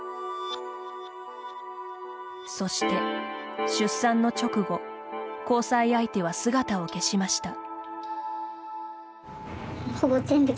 そして、出産の直後交際相手は姿を消しました。